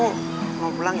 iya aku mau pulang